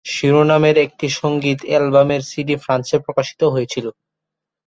শিরোনামের একটি সংগীত অ্যালবামের সিডি ফ্রান্সে প্রকাশিত হয়েছিল।